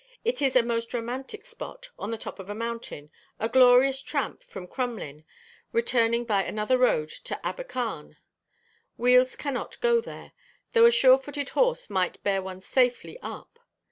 It is a most romantic spot, on the top of a mountain, a glorious tramp from Crumlyn, returning by another road to Abercarne. Wheels cannot go there, though a sure footed horse might bear one safely up.